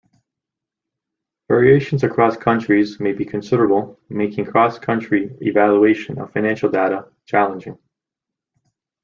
Variations across countries may be considerable making cross country evaluation of financial data challenging.